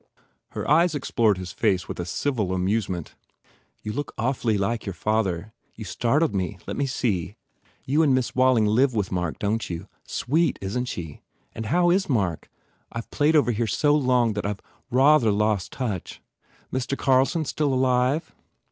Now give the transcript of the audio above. Her eyes explored his face with a civil amusement. "You look awfully like your father. You startled me. Let me see. ... You and Miss Walling live with Mark, don t you? Sweet, isn t she? And how is Mark? I ve played over here so long that I ve rawther lost touch. Mr. Carlson s still alive?"